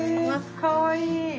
かわいい。